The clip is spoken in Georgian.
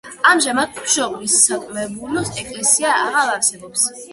ამჟამად ღვთისმშობლის საკრებულო ეკლესია აღარ არსებობს.